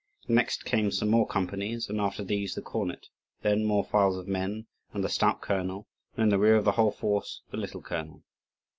Next came some more companies, and after these the cornet, then more files of men, and the stout colonel; and in the rear of the whole force the little colonel.